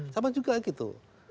sama juga gitu